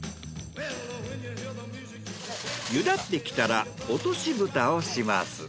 ゆだってきたらおとし蓋をします。